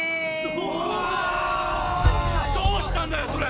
どっどうしたんだよそれ！